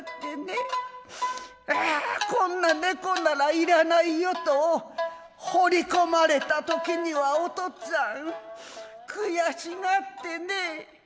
こんな猫なら要らないよと放り込まれた時にはおとっつぁんくやしがってね。